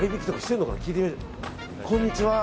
こんにちは。